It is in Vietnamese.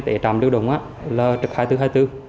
tại trạm y tế lưu động là trực khai thứ hai mươi bốn